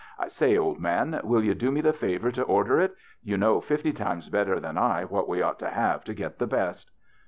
I say, old man, will you do me the favor to order it ? You know fifty times better than I what we ought to have to get the best."